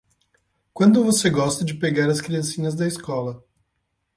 Quando você gosta de pegar as criancinhas da escola?